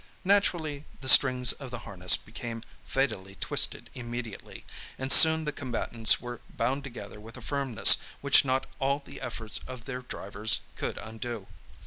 Naturally, the strings of the harness became fatally twisted immediately, and soon the combatants were bound together with a firmness which not all the efforts of their drivers could undo.